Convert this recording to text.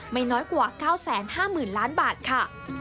ไม่น้อยกว่า๙๕๐๐๐ล้านบาทค่ะ